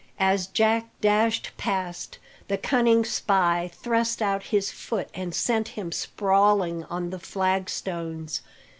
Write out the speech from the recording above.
As Jack dashed past, the cunning spy thrust out his foot and sent him sprawling on the flagstones.